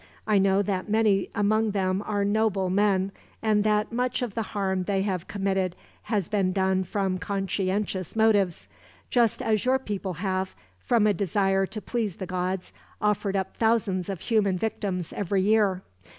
I know that many among them are noble men, and that much of the harm they have committed has been done from conscientious motives; just as your people have, from a desire to please the gods, offered up thousands of human victims, every year.